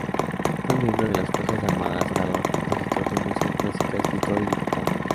Fue miembro de las fuerzas armadas, orador, compositor de música clásica, escritor, y diputado.